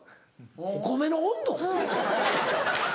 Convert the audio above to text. お米の温度⁉はい。